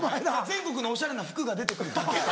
全国のおしゃれな服が出て来るだけ。